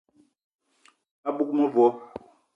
A bug mevo